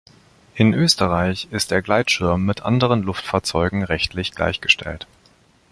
In Österreich ist der Gleitschirm mit anderen Luftfahrzeugen rechtlich gleichgestellt.